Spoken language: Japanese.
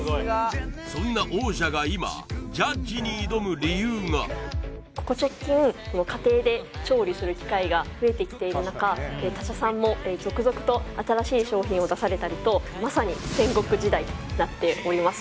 そんな王者が今ここ直近家庭で調理する機会が増えてきている中新しい商品を出されたりとまさに戦国時代になっております